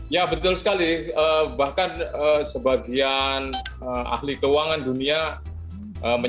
ya betul sekali bahkan sebagian ahli keuangan dunia menjelaskan